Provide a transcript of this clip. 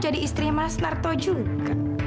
jadi istrinya mas larto juga